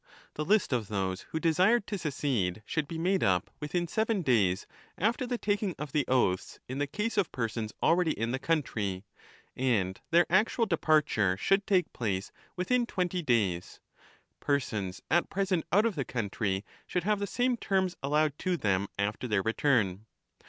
The list of those who desired to secede should be made up within ten days after the taking of the oaths in the case of persons already in the country, and their actual departure should take place within twenty days ; persons at present out of the country should have the same terms allowed to 5 them after their return.